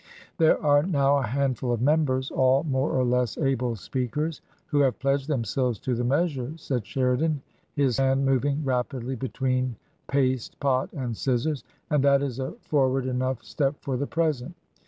"There are now a handful of members — all more or less able speakers — who have pledged themselves to the measure," said Sheridan, his hand moving rapidly between paste pot and scissors, " and that is a forward enough step for the present.